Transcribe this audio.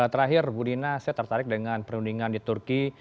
terakhir budina saya tertarik dengan perundingan di turki